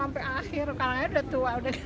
sampai akhir kalau